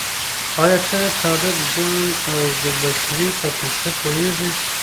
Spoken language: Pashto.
ایا ته د طالب جان او ګلبشرې په کیسه پوهیږې؟